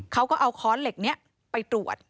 เขาก็เอาค้อนเหล็กนี้ไปตรวจ